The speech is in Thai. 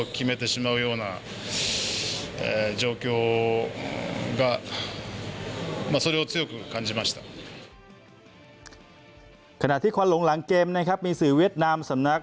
ขณะที่ควันหลงหลังเกมนะครับมีสื่อเวียดนามสำนัก